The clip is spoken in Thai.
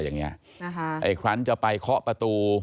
แต่อีกครั้งจะไปเคาะประตู